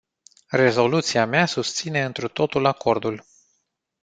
Rezoluția mea susține întru totul acordul.